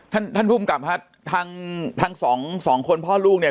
ท่านท่านภูมิกับครับทางทั้งสองสองคนพ่อลูกเนี่ย